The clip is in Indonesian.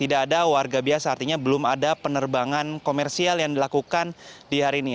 tidak ada warga biasa artinya belum ada penerbangan komersial yang dilakukan di hari ini